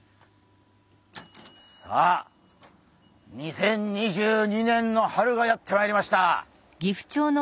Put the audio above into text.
さあ２０２２年の春がやって参りました。